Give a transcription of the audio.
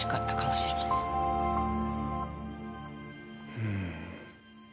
うん。